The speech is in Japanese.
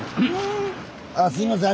あすいません。